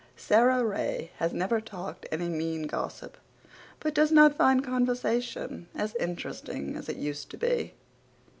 Sara Ray has never talked any mean gossip, but does not find conversation as interesting as it used to be.